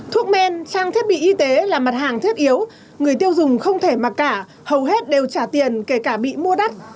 thuốc men trang thiết bị y tế là mặt hàng thiết yếu người tiêu dùng không thể mặc cả hầu hết đều trả tiền kể cả bị mua đắt